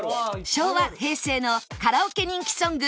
昭和・平成のカラオケ人気ソング